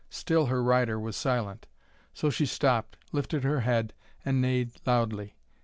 Still her rider was silent. So she stopped, lifted her head, and neighed loudly.